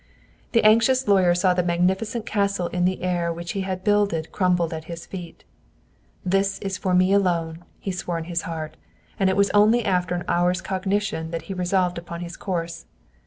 The anxious lawyer saw the magnificent castle in the air which he had builded crumbled at his feet. "This is for me alone," he swore in his heart, and it was only after an hour's cogitation that he resolved upon his course.